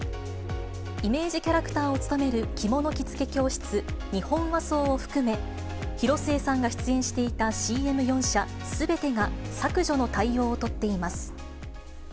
イメージキャラクターを務める着物着付け教室、日本和装を含め、広末さんが出演していたＣＭ４社すべてが、削除の対応を取っています。